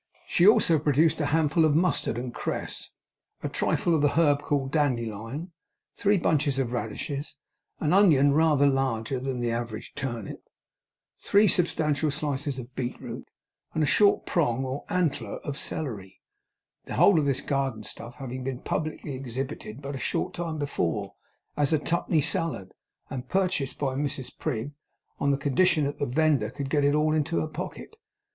She also produced a handful of mustard and cress, a trifle of the herb called dandelion, three bunches of radishes, an onion rather larger than an average turnip, three substantial slices of beetroot, and a short prong or antler of celery; the whole of this garden stuff having been publicly exhibited, but a short time before, as a twopenny salad, and purchased by Mrs Prig on condition that the vendor could get it all into her pocket.